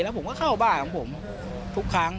แล้วผมก็เข้าบ้านของผมทุกครั้ง